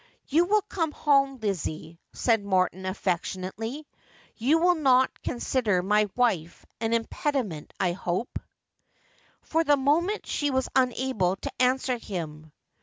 'You will come home, Lizzie,' said Morton affectionately. ' You will not consider my wife an impediment, I hope 1 ' For the moment she was unable to answer him.